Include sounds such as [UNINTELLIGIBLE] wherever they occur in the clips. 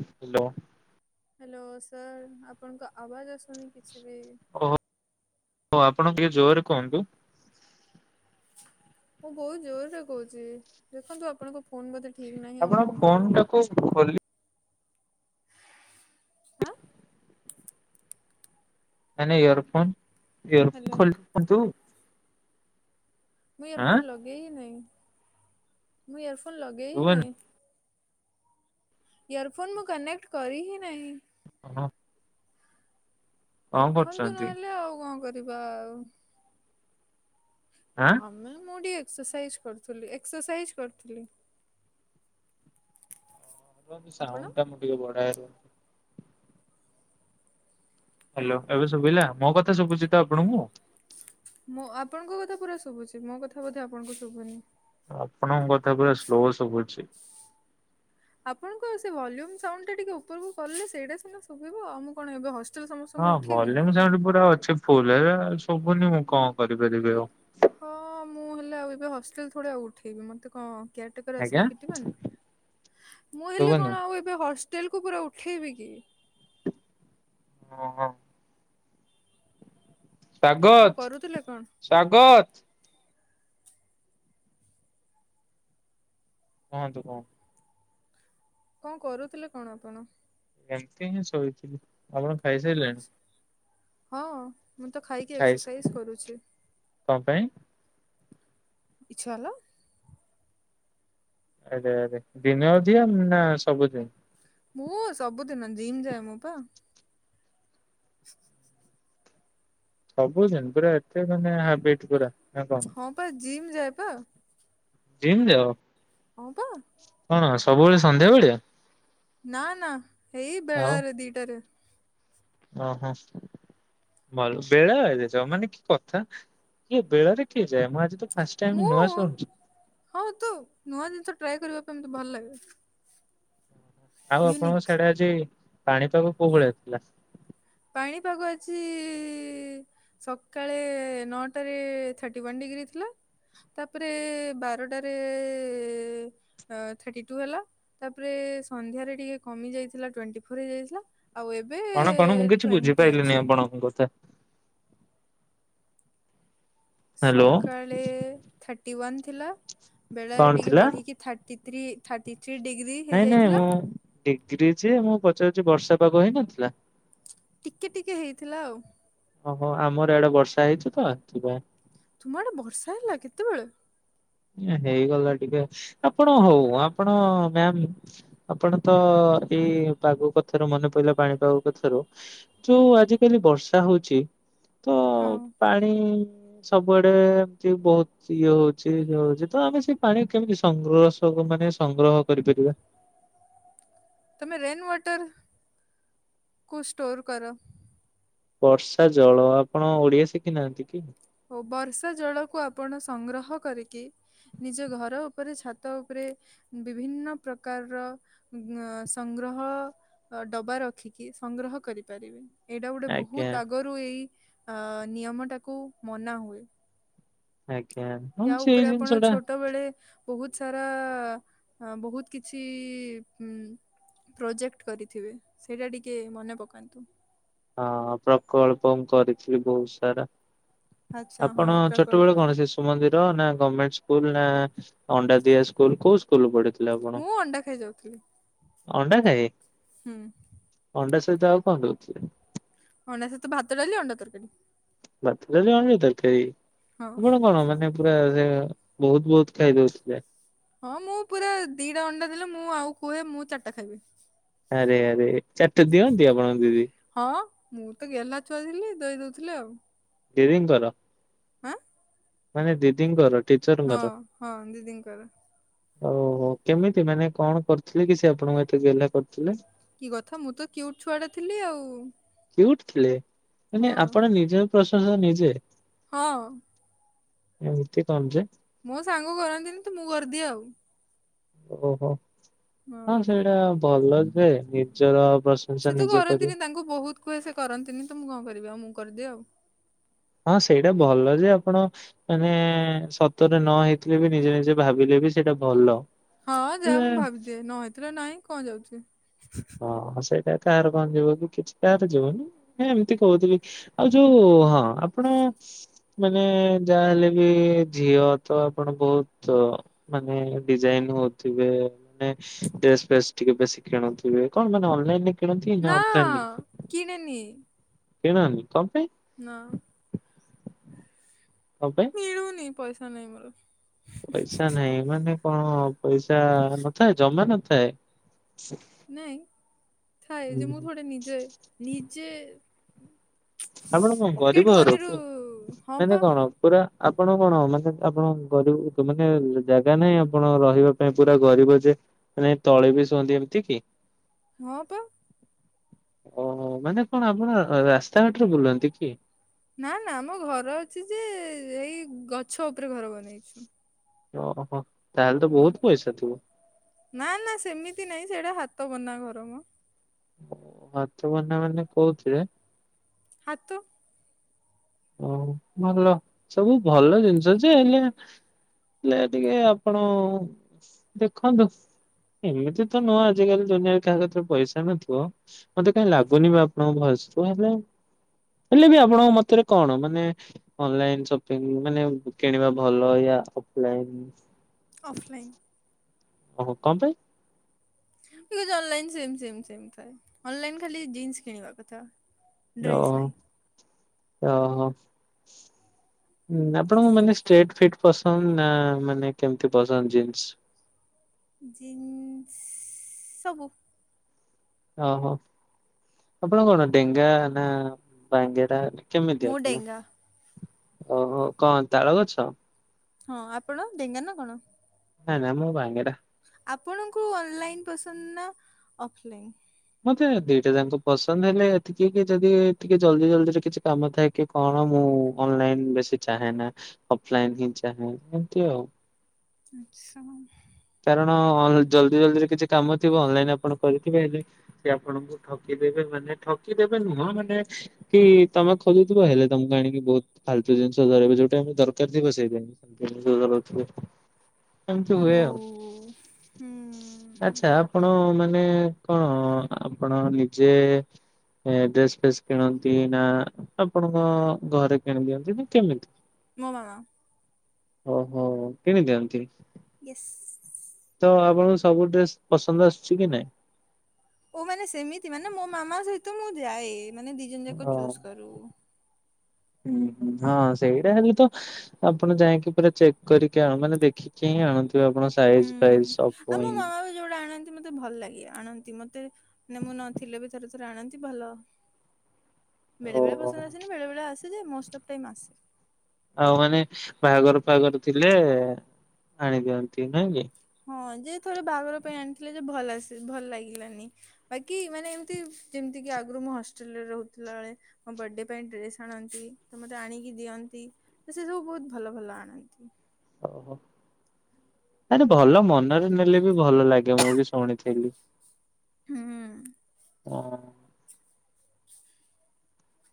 Hello. Hello sir ଆପଣଙ୍କ ଆବାଜ ଆସୁନି କିଛି ବି। ଓହୋ ହ ଆପଣ ଟିକେ ଜୋରରେ କୁହନ୍ତୁ। ମୁଁ ବହୁତ ଜୋରରେ କହୁଛି ଦେଖନ୍ତୁ ଆପଣଙ୍କ ଫୋନ ବୋଧେ ଠିକ ନାହିଁ। ଆଉ କଣ ଆପଣଙ୍କ କରିବା। ଫୋନ ଟାକୁ ଖୋଲି ଆଁ। ମାନେ ଇୟରଫୋନ ଇୟରଫୋନ ହ୍ୟାଲୋ ଖୋଲ ଦିଅନ୍ତୁ। ମୁଁ ଇୟରଫୋନ୍ ଲଗେଇ ହିଁ ନାହିଁ ମୁଁ ଇୟରଫୋନ୍ ଲଗେଇ ହିଁ ଶୁଭୁନି ନାହିଁ। ଇୟରଫୋନ୍ ମୁଁ କନେକ୍ଟ କରି ହିଁ ନାହିଁ। ଓହ। ଦେଖନ୍ତୁ କରୁଛନ୍ତି ନହେଲେ ଆଉ କଣ କରିବା ଆଉ। ଓ ଆଁ ଆମେ ମୁ ଟିକେ ଏକ୍ସରସାଇଜ କରୁଥିଲି ଏକ୍ସରସାଇଜ କରୁଥିଲି। ଆପଣ? ସାଉଣ୍ଡ ଟା ମୁଁ ଟିକେ ବଢାଏ। ହ୍ୟାଲୋ। ଏବେ ଶୁଭିଲା ମୋ କଥା ଶୁଭୁଛି ତ ଆପଣଙ୍କୁ। ମୁଁ ଆପଣଙ୍କ କଥା ପୁରା ଶୁଭୁଛି ମୋ କଥା ବୋଧେ ଆପଣଙ୍କୁ ଶୁଭୁନି। ଆପଣଙ୍କ କଥା ପୁରା ସ୍ଲୋ ସବୁଛି। ଆପଣଙ୍କ ସେ ଭଲ୍ୟୁମ ସାଉଣ୍ଡ ଟା ଟିକେ ଉପରକୁ କଲେ ସେଇଟା ସିନା ଶୁଭିବ ଆଉ ମୁଁ କଣ ଏବେ ହସ୍ ହଁ ଭଲ୍ୟୁମ ସାଉଣ୍ଡ ପୁରା ଅଛି ଫୁଲରେ ହେଲେ ଶୁବୁନି ମୁଁ କଣ କରିପାରିବି ଆଉ। ହଁ ମୁଁ ହେଲେ ଆଉ ଏବେ ହଷ୍ଟେଲ ଥରେ ଆଉ ଉଠେଇବି ମତେ କଣ କେୟାର ଟେକର ଆଜ୍ଞା ଆସିକି ପିଟିବନି ମୁଁ ହେଲେ ଶୁଭୁନି କଣ ଆଉ ଏ ଏବେ ହଷ୍ଟେଲକୁ ପୁରା ଉଠେଇବି କି? ଓହଁ। କଣ ସ୍ୱାଗତ କରୁଥିଲେ କଣ? ସ୍ଵାଗତ। କୁହନ୍ତୁ କୁହନ୍ତୁ। କଣ କରୁଥିଲେ କଣ ଆପଣ। ଏମତି ହିଁ ଶୋଇଥିଲି, ଆପଣ ଖାଇସାରିଲେଣି। ଆଚ୍ଛା ହଁ ମୁଁ ତ ଖାଇକି ଏକ୍ସରସାଇଜ କରୁଛି। କ ପାଇଁ? ଇଛାହେଲ। ଆରେ ଆରେ ଦିନେ ଅଧିଆ ନା ସବୁଦିନି। ମୁଁ ସବୁଦିନ ଜିମ୍ ଯାଏ ମୁଁ ପା। [INAUDIBLE] ସବୁଦିନ ପୁରା ଏତେ ମାନେ ହାବିଟ୍ ପୁରା ନା କଣ। ମୁଁ ପା ଜିମ୍ ଯାଏ ପା। ଜିମ୍ ଯାଅ। ହଁ ପା। କଣ୍ ସବୁବେଳେ ସନ୍ଧ୍ୟାବେଳିଆ। ନା ନା ଏଇ ବେଳାରେ ଦିଟାରେ। ଓ ହୋ। ମଲ୍ ବେଳା ଯୋଉ ମାନେ କି କଥା କିଏ ବେଳରେ କିଏ ଯାଏ ମୁଁ ଆଜି ଜିତୁ ଫାଷ୍ଟ ମୁଁ ଟାଇମ୍ ନୂଆ ଶୁଣୁଛି। ହଁ ତୁ ନୂଆ ଜିନିଷ ଟ୍ରାଏ କରିବା ପାଇଁ ମତେ ଭଲ ଲାଗେ। ଆଉ ଆପଣଙ୍କ ୟୁନିକ୍ ସିଆଡେ ଆଜି ପାଣିପାଗ କୋଉ ଭଳିଆ ଥିଲା? ପାଣିପାଗ ଆଜି ସକାଳେ ନଅଟାରେ ଥାର୍ଟି ୱାନ୍ ଡିଗ୍ରୀ ଥିଲା। ତାପରେ ବାରଟାରେ ଥାର୍ଟି ଟୁ ହେଲା। ତାପରେ ସନ୍ଧ୍ୟାରେ ଟିକେ କମିଯାଇଥିଲା ଟ୍ୱେଣ୍ଟି ଫୋର ହେଇଯାଇଥିଲା ଆଉ ଏବେ କଣ କଣ ମୁଁ କିଛି ଟ୍ୱେଣ୍ଟି ଅଛି ବୁଝିପାଇଲିନି ଆପଣଙ୍କ କଥା। ହ୍ୟାଲୋ ସକାଳେ ଥାର୍ଟି ୱାନ୍ ଥିଲା ବେଳାରେ କଣ ଟିକେ ଥିଲା? ବଢ଼ିକି thirty three thirty three degree ନାଇଁ ନାଇଁ ହେଇଯାଇଥିଲା। ମୁଁ ଡିଗ୍ରୀ ଯେ ମୁଁ ପଚାରୁଚି ବର୍ଷା ପାଗ ହେଇନଥିଲା। ଟିକେ ଟିକେ ହେଇଥିଲା ଆଉ। ଓହୋ ଆମର ଇଆଡେ ବର୍ଷା ହେଇଛି ତ ଏଥି ପାଇଁ। ତୁମ ଆଡେ ବର୍ଷା ହେଲା କେତେବେଳେ? ହେଇଗଲା ଟିକେ ଆପଣ ହଉ ଆପଣ ମ୍ୟାମ୍ ଆପଣ ତ ଏଇ ପାଗ କଥାରୁ ମନେ ପଇଲା ପାଣିପାଗ କଥାରୁ। ଯୋଉ ଆଜିକାଲି ବର୍ଷା ହୋଉଛି ହଁ। ପାଇଁ ସବୁଆଡେ ଏମତି ବହୁତ ଇଏ ହୋଉଛି [UNINTELLIGIBLE] ହଉଛି ତ ଆମେ ସେଇ ପାଣି କେମିତି ସଂଗ୍ରହ ମାନେ ସଂଗ୍ରହ କରିପାରିବା? ତମେ ରେନୱଟର କୁ ଷ୍ଟୋର କର। ବର୍ଷା ଜଳ ଆପଣ ଓଡିଆ ଶିଖିନାହାନ୍ତି କି? ଓ ବର୍ଷା ଜଳକୁ ଆପଣ ସଂଗ୍ରହ କରିକି ନିଜ ଘର ଉପରେ ଛାତ ଉପରେ ବିଭିନ୍ନ ପ୍ରକାରର ସଂଗ୍ରହ ଅ ଡବା ରଖିକି ସଂଗ୍ରହ କରିପାରିବେ। ଏଇଟା ଗୋଟେ ଆଜ୍ଞା ବହୁତ ଆଗରୁ ଏଇ ଅ ନିୟମ ଟାକୁ ମନା ହୁଏ। ଆଜ୍ଞା। ହଁ ୟା ସେଇ ଉପରେ ଜିନିଷ ଆପଣ ଟା ଛୋଟବେଳେ ବୋହୁତ ସାରା ବୋହୁତ କିଛି ପ୍ରୋଜେକ୍ଟ କରିଥିବେ ସେଇଟା ଟିକେ ମନେ ପକାନ୍ତୁ। ହଁ ପ୍ରକଳ୍ପ ମୁଁ କରିଥିଲି ବହୁତ ସାରା। ଆଚ୍ଛା ହଁ ଆପଣ ପ୍ରକଳ୍ପ ଛୋଟବେଳ କଣ ଶିଶୁ ମନ୍ଦିର ନା ଗମେଣ୍ଟ ସ୍କୁଲ ନା ଅଣ୍ଡା ଦିଆ ସ୍କୁଲ କଉ? ସ୍କୁଲ ପଢଥିଲେ ଆପଣ ମୁଁ ଅଣ୍ଡା ଖାଇ ଯାଉଥିଲି ଅଣ୍ଡା ଖାଇ। ହୁଁ ଅଣ୍ଡା ସହିତ ଆଉ କଣ ଦୋଉଥିଲେ? ଅଣ୍ଡା ସହିତ ଭାତ, ଡାଲି, ଅଣ୍ଡା ତରକାରୀ। ଭାତ, ଡାଲି, ଅଣ୍ଡା ତରକାରୀ ହଁ ଆପଣ କଣ ମାନେ ପୁରା ସେ ବୋହୁତ ବୋହୁତ ଖାଇଦୋଉଥିଲେ। ହଁ ମୁଁ ପୁରା ଦିଟା ଅଣ୍ଡା ଦେଲେ ମୁଁ ଆଉ କୁହେ ମୁଁ ଚାରିଟା ଖାଇବି। ଆରେ ଆରେ ଚାରିଟା ଦିଅନ୍ତି ଆପଣଙ୍କ ଦିଦି? ହଁ ମୁଁ ତ ଗେଲ୍ହା ଛୁଆ ଥିଲି ଦେଇଦୋଉଥିଲେ ଆଉ। ଦିଦିଙ୍କର? ଆଁ ମାନେ ଦିଦିଙ୍କର ହଁ ଟିଚରଙ୍କର। ହଁ ଦିଦିଙ୍କର ଓହୋ କେମିତି, ମାନେ କଣ କରିଥିଲେ କି ସେ ଆପଣଙ୍କ ଏଟି ଗେହ୍ଲା କରିଥିଲେ? କି କଥା, ମୁଁ ତ କିଉଟ୍ ଛୁଆଟା ଥିଲି ଆଉ। କିୟୁଟ ଥିଲେ ମାନେ ହଁ ଆପଣ ନିଜ ପ୍ରଶଂସା ନିଜେ ହଁ। ଏମିତି କଣ ଯେ। ମୋ ସାଙ୍ଗ କରନ୍ତିନି ତ ମୁଁ କରିଦିଏ ଆଉ। ଓହୋ ହଁ ସେଇଟା ଭଲ ଯେ ନିଜର ପ୍ରଶ୍ନ ସେ ତ କରନ୍ତିନି ତାଙ୍କୁ ବହୁତ କୁହେ ସେ କରନ୍ତିନି ତ ମୁଁ କଣ କରିବି ଆଉ ମୁଁ କରିଦିଏ ଆଉ। ହଁ ସେଇଟା ଭଲ ଯେ ଆପଣ ମାନେ ସତରେ ନ ହେଇଥିଲେ ବି ନିଜେ ନିଜେ ଭାବିଲେ ବି ସେଟା ଭଲ। ହଁ ଯା ହେଲେ ମୁଁ ଭାବିଦିଏ ନ ହେଇଥିଲେ ନାଇଁ, କଣ ଯାଉଛି। ହଁ ସେଇଟା କାହାର କଣ ଯିବ କି କିଛି କାହାର ଯିବନି ଏମିତି କହୁଥିଲି। ଆଉ ଯୋଉ ହଁ ଆପଣ ମାନେ ଯାହା ହେଲେ ବି ଝିଅ ତ ଆପଣ ବହୁତ ମାନେ ଡିଜାଇନ ହଉଥିବେ ମାନେ ଡ୍ରେସ ଫେସ୍ ଟିକେ ବେଶୀ କିଣନ୍ତି। ଇଏ କଣ ମାନେ ଅନଲାଇନ ରେ କିଣନ୍ତି ନାଊ ଅଫଲାଇନରେ? କି ନାନି? କେହି ନାହାନ୍ତି କଣ ପାଇଁ? ନାଁ। କଣ ପାଇଁ? କିଣୁନି ପଇସା ନାହିଁ ମୋର। ପଇସା ନାହିଁ ମାନେ, କଣ ପଇସା ନଥାଏ ଜମା ନଥାଏ? ନାଇଁ ଥାଏ ଯେ ମୁଁ ହୁଁ ଥୋଡି ନିଜେ ନିଜେ ଆପଣ କଣ ପକେଟ ଗରିବ ଘର ମନିରୁ କି ହଁ ମନେ ପା କଣ? ପୁରା ଆପଣ କଣ ମାନେ ଆପଣ ଗରିବ ମାନେ ଜାଗା ନାହିଁ ଆପଣ ରହିବାକ? ପାଇଁ ପୁରା ଗରିବ ଯେ ନାଇଁ ତଳେ ବି ଶୁଅନ୍ତି ଏମିତି କି? ହଁ ପା। ଓହୋ ମାନେ କଣ ଆପଣ ରାସ୍ତାଘାଟରେ ବୁଲନ୍ତି କି? ନାଁ ନାଁ ଆମ ଘର ଅଛି ଯେ ଏଇ ଗଛ ଉପରେ ଘର ବନେଇଛୁ। ଓହୋ ତାହେଲେ ତ ବହୁତ ପାଏ ସେଥୁ। ନାଁ ନାଁ ସେମିତି ନାଇଁ ସେଇଟା ହାତ ବୁନା ଘର ମ। ହାତ ବୁନା ମାନେ କୋଉଥିରେ? ହାତ। ଓହୋ ଭଲ ସବୁ ଭଲ ଜିନିଷ ଯେ ହେଲେ ହେଲେ ଟିକେ ଆପଣ ଦେଖନ୍ତୁ। ଏମିତି ତ ନୁହଁ, ଆଜିକାଲି ଦୁନିଆରେ କାହା କତିରେ ପଇସା ନଥିବ? ମତେ କାହିଁ ଲାଗୁନି ବି ଆପଣଙ୍କ ଭୟସ୍ ହେଲେ ହେଲେ ବି ଆପଣଙ୍କ ମତରେ। କଣ ମାନେ ଅନଲାଇନ ସପିଙ୍ଗ୍ ମାନେ କିଣିବା ଭଲ ୟା ଅଫଲାଇନ? ଅଫ୍ଲାଇନ୍। ଓହୋ କଣ ପାଇଁ? [UNINTELLIGIBLE] ଅନଲାଇନ ସିମ୍ ସିମ୍ ସିମ ଥାଏ ଅନଲାଇନ ଖାଲି ଜିନ୍ସ କିଣିବା କଥା। ଯାହା ଡ୍ରେସ୍ ହେଉ ନାହିଁ ଯାହା ହେଉ ୟେସ୍ ଆପଣଙ୍କୁ ମାନେ ଷ୍ଟ୍ରେଟ ଫିଟ ପସନ୍ଦ ନାଁ ମାନେ କେମତି ପସନ୍ଦ ଜିନ୍ସ? ଜିନ୍ସ ସବୁ। ଓହୋ ଆପଣ କଣ ଡେଙ୍ଗା ନା ବାଙ୍ଗେରା କେମିତିଆ ମୋ ଡେଙ୍ଗା ଓହୋ କଣ ତାଳ ଗଛ? ହଁ ଆପଣ ଢେଙ୍ଗାନା କଣ? ନା ନା ମୁଁ ବାଙ୍ଗେରା। ଆପଣଙ୍କୁ ଅନ୍ ଲାଇନ୍ ପସନ୍ଦ ନା ଅଫ୍ ଲାଇନ୍? ମତେ ଦିଟା ଯାକ ପସନ୍ଦ ହେଲେ ଏତିକି କି ଯଦି ଟିକେ ଜଲ୍ଦି ଜଲ୍ଦିରେ କିଛି କାମ ଥାଏ କି କଣ ମୁଁ ଅନ୍ ଲାଇନ୍ ବେଶୀ ଚାହେଁ ନା ଅଫ୍ ଲାଇନ୍ ହିଁ ଚାହେଁ ଏମତି ଉ। ଆଚ୍ଛା। କାରଣ ଜଲ୍ଦି ଜଲ୍ଦିରେ କିଛି କାମ ଥିବ ଅନଲାଇନ୍ ଆପଣ କରିଥିବେ ହେଲେ ସେ ଆପଣଙ୍କୁ ଠକିଦେବେ ମାନେ ଠକିଦେବେ ନୁହଁ ମାନେ କି ତମେ ଖୋଜୁଥିବ ହେଲେ ତମକୁ ଆଣିକି ବହୁତ୍ ଫାଲ୍ ତୁ ଜିନିଷ ଧରେଇବେ ଯୋଉଟା ଆମେ ଦରକାର ଥିବ ସେଇ ଅ ଜ୍ [INAUDIBLE] ଏମିତି ଓ ହୁଏ ଆଉ। ହୁଁ ଆଚ୍ଛା ଆପଣ ମାନେ କଣ ଆପଣ ନିଜେ ଏ ଡ୍ରେସ୍ ଫ୍ରେସ୍ କିଣନ୍ତି ନା ଆପଣଙ୍କ ଘରେ କିଣିଦିଅନ୍ତି ନା କେମିତି? ମୋ ମା। ଓହୋ କିଣି ଦିଅନ୍ତି? ଏସ୍। ତ ଆପଣଙ୍କୁ ସବୁ ଡ୍ରେସ୍ ପସନ୍ଦ ଆସୁଛି କି ନାଇଁ? ଓ ମାନେ ସେମିତି ମାନେ ମୋ ମାମା ସହିତ ମୁଁ ଯାଏ ମାନେ ଦି ଜଣ ଯାକ ହଁ। ଚୁଜ୍ କରୁ। ହୁଁ ହଁ ସେଇଟା ହେଲେ ତ ଆପଣ ଯାଇକି ପୁରା ଚେକ୍ କରିକି ଆ ମାନେ ଦେଖିକି ହିଁ ଆଣୁଥିବେ ଆପଣ। ହୁଁ ପ୍ରାଇଜ୍ ପ୍ରାଇଜ୍ ଆଉ ସବୁ ମୋ ହିଁ ମାମା ବି ଯୋଉଟା ଆଣନ୍ତି ମତେ ଭଲ ଲାଗେ ଆଣନ୍ତି ମତେ ମାନେ ମୁଁ ନଥିଲେ ବି ଥରେ ଥରେ ଆଣନ୍ତି ଭଲ [UNINTELLIGIBLE] ବେଳେବେଳେ ପସନ୍ ଆସେନି ବେଳେବେଳେ ଆସେ ଯେ ମୋଷ୍ଟ୍ ଅଫ୍ ଟାଇମ୍ ଆସେ। ଆଉ ମାନେ ବାହାଘର ଫାଘର ଥିଲେ ଆଣିଦିଅନ୍ତି ନାହିଁ କି? ହଁ ଯେ ଥରେ ବାହାଘର ପାଇଁ ଆଣିଥିଲେ ଯେ ଭଲ ଆସେ ଭଲ ଲାଗିଲାନି। ବାକି ମାନେ ଏମିତି ଯେମିତି କି ଆଗୁରୁ ମୁଁ ହଷ୍ଟେଲ୍ ରେ ରହୁଥିଲା ବେଳେ ମୋ ବାର୍ଥିଡେ ପାଇଁ ଡ୍ରେସ୍ ଆଣନ୍ତି ତ ମତେ ଆଣିକି ଦିଅନ୍ତି ତ ସେ ସବୁ ବହୁତ୍ ଭଲ ଭଲ ଆଣନ୍ତି। ଓହୋ ଆରେ ଭଲ ମନରେ ନେଲେ ବି ଭଲ ଲାଗେ ମୁଁ ବି ଶୁଣିଥିଲି। ହୁଁ। ଅଁ।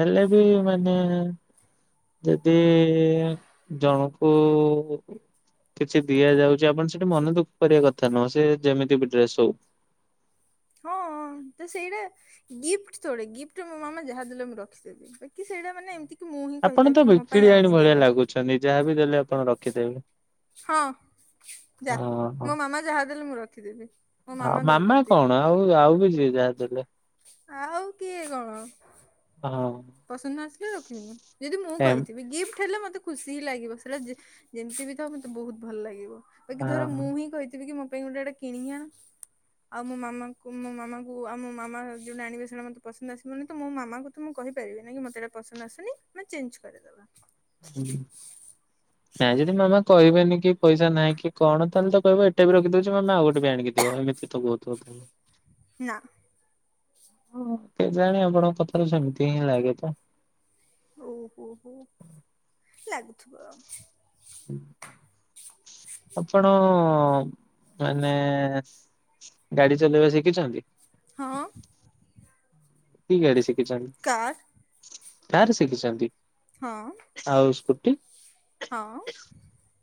ହେଲେ ବି ମାନେ ଯଦି ଜଣକୁ କିଛି ଦିଆଯାଉଛି ଆପଣ ସେଠି ମନେ ଦୁଃଖ କରିବା କଥା ନୁହଁ ସେ ଯେମିତି ବି ଡ୍ରେସ୍ ହଉ। ହଁ ଅଁ ତ ସେଇଟା ଗିଫ୍ଟ୍ ଥୋଡେ ଗିଫ୍ଟ୍ ମୋ ମାମା ଯାହା ଦେଲେ ମୁଁ ରଖିଦେବି ବାକି ସେଇଟା ମାନେ ଏମ୍ ତି ଆପଣ ତ ବିକିଳିଆଣି ଭଳିଆ ଲାଗୁଛନ୍ତି ଯାହାବି ଦେଲେ ଆପଣ ରଖିଦେବେ। ହଁ ଯା ହଁ ହଁ। ମୋ ମାମା ଯାହା ଦେଲେ ମୁଁ ରଖିଦେବି। ହଁ ମାମା କଣ ଆଉ ଆଉ ବି ଯିଏ ଯାହା ଦେଲେ ଆଉ କିଏ କଣ? ହଁ। ପସନ୍ଦ ନଆସିଲେ ରଖିବିନି ଯଦି ମୁଁ ଏମ୍ କହିଥିବି ଗିଫ୍ଟ୍ ହେଲେ ମତେ ଖୁସିବି ଲାଗିବ। ସେଇଟା [UNINTELLIGIBLE] ଯେସ୍ [INAUDIBLE] ବି ତ ମତେ ବହୁତ ଭଲ ଲାଗିବ। ବାକି ଥରେ ମୁଁ ହଁ। ହିଁ [UNINTELLIGIBLE] କହିଥିବି କି ମୋ ପାଇଁ ଗୋଟେ ଏଇଟା କିଣିିକି ଆଣ। ଆଉ ମୋ ମାମାଙ୍କୁ ମୋ ମାମାଙ୍କୁ ଆଉ ମୋ ମାମା ଯୋଉ [UNINTELLIGIBLE] ଆଣିବେ ସେଣା ମତେ ପସନ୍ଦ୍ ଆସିବନି ତ ମୋ ମାମାଙ୍କୁ ତ ମୁଁ କହିବ୍ [UNINTELLIGIBLE] ମତେ ଯଦି ପସନ୍ଦ ଆସୁନି [UNINTELLIGIBLE] ଚେଞ୍ଜ କରିଦବା। [UNINTELLIGIBLE] ଯଦି ମାମା [UNINTELLIGIBLE] ତ ଏଇ ମାନେ କି ପଇସା ନାହିଁ କି କଣ ତାହେଲେ ତ କହିବେ ଏଟା ବି ରଖିଦଉଛି ନହେଲେ ଆଉ ଗୋଟେ ଆଣିକି [UNINTELLIGIBLE] ଏମତି ତ କହୁଥିବ। ହ [UNINTELLIGIBLE] ନା ହଁ କେଜାଣି ଆପଣଙ୍କ କଥାରୁ ସେମିତି ହିଁ ଲାଗେ ତ! ଓ ହୋ ହୋ ଲାଗୁଥିବ ଆଉ ଆପଣ ମାନେ ଗାଡ଼ି ଚଲେଇବା ଶିଖିଛନ୍ତି? ହଁ କି ଗାଡ଼ି ଶିଖିଛନ୍ତି? କାର୍ କାର ଶିଖିଛନ୍ତି? ହଁ ଆଉ ସ୍କୁଟି? ହଁ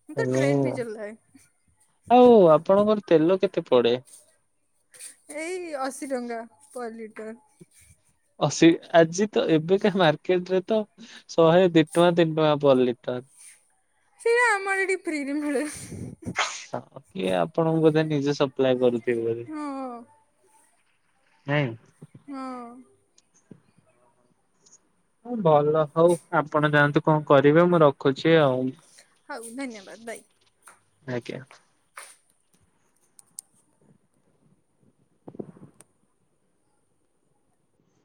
ମୁଁ ତ ହାଲୋ ଟ୍ରେନ ବି ଚଲାଏ ଆଉ ଆପଣଙ୍କର ତେଲ କେତେ ପଡ଼େ? ଏଇ ଅଶୀ ଟଙ୍କା ପର୍ ଲିଟର। ଅଶି ଆଜି ତ ଏବେ କା ମାର୍କେଟ ରେ ତ ଶହେ ଦିଇ ଟଙ୍କା, ତିନି ଟଙ୍କା ପର ଲିଟର। ଶୁଣ [INAUDIBLE] ଆମର ଏଠି ଫ୍ରୀ ରେ ମିଳେ। କିଏ ଆପଣଙ୍କୁ ବୋଧେ ନିଜେ ସପ୍ଲାଏ କରୁଥିବେ ବୋଲି। ହଁ ନାଇଁ [UNINTELLIGIBLE] ହଁ ହଁ ଭଲ ହଉ। ଆପଣ ଯାଆନ୍ତୁ କଣ କରିବେ ମୁଁ ରଖ ରଖୁଛି ଆଉ ହଉ ଧନ୍ୟବାଦ ବାଇ। ଆଜ୍ଞା।